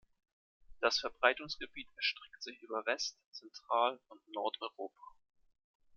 Das Verbreitungsgebiet erstreckt sich über West-, Zentral- und Nordeuropa.